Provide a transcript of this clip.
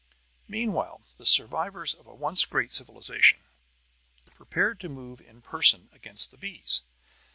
Meanwhile the survivors of a once great civilization prepared to move in person against the bees.